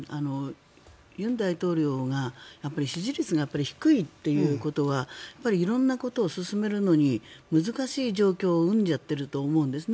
尹大統領が支持率が低いということは色んなことを進めるのに難しい状況を生んじゃっていると思います。